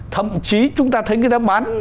thậm chí chúng ta thấy người ta bán